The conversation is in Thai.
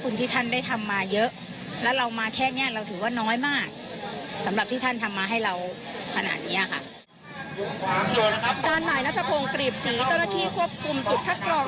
ด้านนายนัทพงศ์กรีบศรีเจ้าหน้าที่ควบคุมจุดคัดกรอง